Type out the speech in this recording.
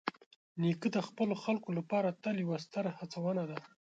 نیکه د خپلو خلکو لپاره تل یوه ستره هڅونه ده.